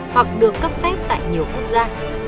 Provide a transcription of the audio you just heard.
hoặc được cấp phép tại nhiều quốc gia